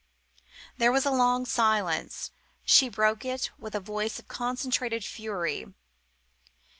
There was a long silence. She broke it with a voice of concentrated fury.